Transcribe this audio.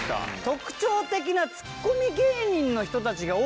特徴的なツッコミ芸人の人たちが多い。